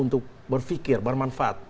untuk berpikir bermanfaat